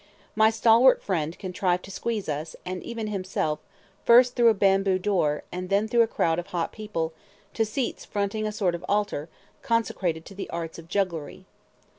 My stalwart friend contrived to squeeze us, and even himself, first through a bamboo door, and then through a crowd of hot people, to seats fronting a sort of altar, consecrated to the arts of jugglery.